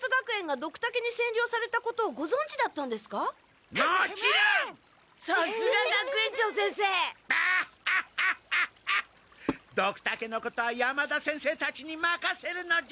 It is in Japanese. ドクタケのことは山田先生たちにまかせるのじゃ！